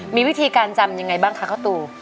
มีวิธีการจำยังไงบ้างคะข้าวตู